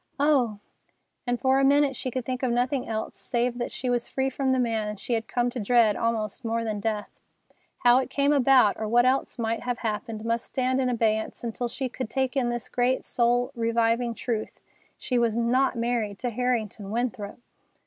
"Oh!" And for a minute she could think of nothing else save that she was free from the man she had come to dread almost more than death. How it came about, or what else might have happened, must stand in abeyance until she could take in this great, soul reviving truth. She was not married to Harrington Winthrop!